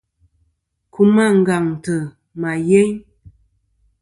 Kum àngaŋtɨ ma yeyn.